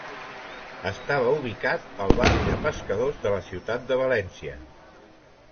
Estava ubicat al barri de Pescadors de la ciutat de València.